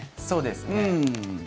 そうですね。